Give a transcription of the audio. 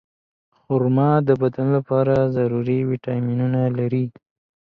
خرما د بدن لپاره ضروري ویټامینونه لري.